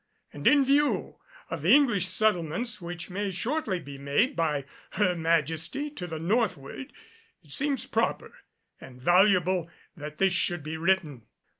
And in view of the English settlements which may shortly be made by Her Majesty to the northward, it seems proper and valuable that this should be written.